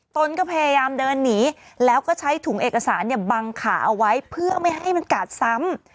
ตนก็พยายามเดินหนีแล้วก็ใช้ถุงเอกสารเนี่ยบังขาเอาไว้เพื่อไม่ให้มันกาดซ้ำ